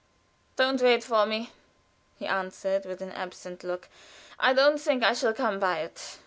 "Don't wait for me," he answered, with an absent look. "I don't think I shall come by it.